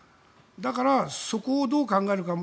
だから、そこをどう考えるか。